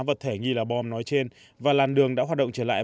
vật thể nghi là bom nói trên và làn đường đã hoạt động trở lại